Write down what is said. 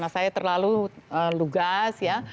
saya terlalu lugas ya